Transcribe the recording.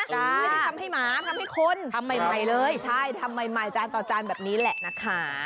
ไม่ได้ทำให้หมาทำให้คนทำใหม่ท่อนต่อจานแบบนี้แหละนะคะ